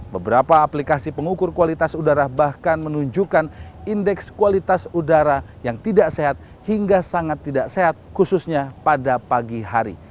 beberapa aplikasi pengukur kualitas udara bahkan menunjukkan indeks kualitas udara yang tidak sehat hingga sangat tidak sehat khususnya pada pagi hari